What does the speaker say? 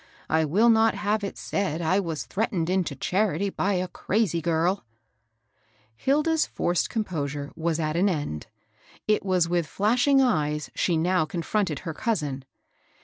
I will not have it said I was threatened into charity by a cra2y ghrV' Hilda's forced composure was at an end. It was with flashing eyes she now confronted her cousin.